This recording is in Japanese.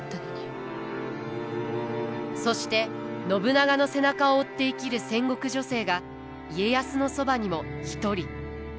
そして信長の背中を追って生きる戦国女性が家康のそばにも一人。